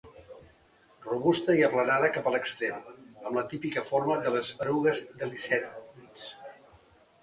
Robusta i aplanada cap a l'extrem, amb la típica forma de les erugues de licènids.